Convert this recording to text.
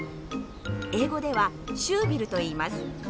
英語では「シュービル」といいます。